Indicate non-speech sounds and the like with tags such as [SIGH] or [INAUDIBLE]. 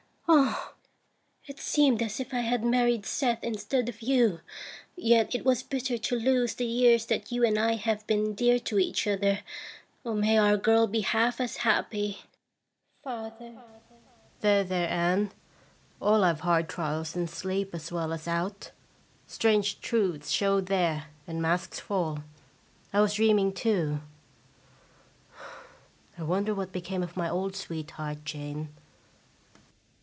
Oh! it seemed as if I had married Seth instead of you. Yet it was bitter to lose the years that you and I have been dear to each other. May our girl be half as happy ! Father. There, there, Ann ! All have hard trials in sleep as well as out. Strange truths show there, and masks fall. I was dreaming, too. [SIGHS] I wonder what became of my old sweetheart Jane